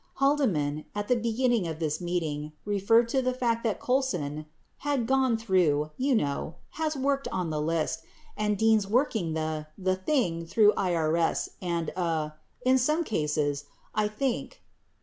Halde man, at the beginning of this meeting, referred to the fact that Colson "has gone through, you know, has worked on the list, and Dean's working the, the thing through IBS and, uh, in some cases, I think